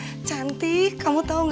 jadan j kaya naringin aku bersama m tosancre